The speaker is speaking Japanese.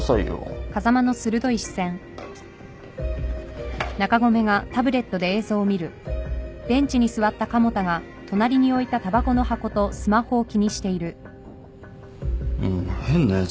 うん変なやつだな。